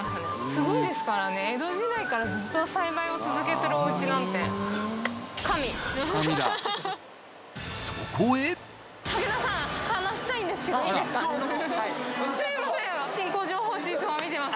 すごいですからね江戸時代からずっと栽培を続けてるおうちなんてすいません